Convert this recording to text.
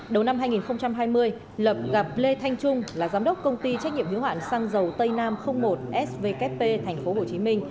đầu năm hai nghìn hai mươi lập gặp lê thanh trung là giám đốc công ty trách nhiệm hiếu hạn xăng dầu tây nam một svkp tp hcm